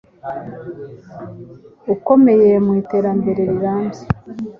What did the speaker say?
ukomeye mu iterambere riramby